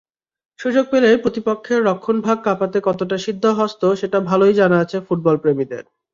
সুযোগ পেলেই প্রতিপক্ষের রক্ষণভাগ কাঁপাতে কতটা সিদ্ধহস্ত, সেটা ভালোই জানা আছে ফুটবলপ্রেমীদের।